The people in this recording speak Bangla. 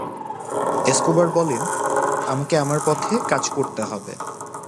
এসকোবার বলেন, আমাকে আমার পথে কাজ করতে হবে।